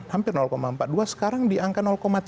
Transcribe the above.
hampir empat puluh dua sekarang di angka